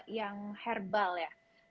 yang herbal ya